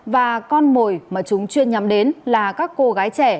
và con mồi mà chúng chuyên nhắm đến là các cô gái trẻ